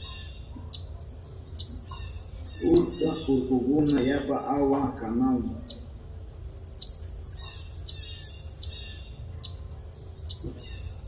huk urkukuna yapa awa kanahun.